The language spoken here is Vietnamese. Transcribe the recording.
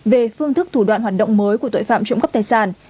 về phương thức thủ đoạn hoạt động mới của tội phạm trộm cắp tài sản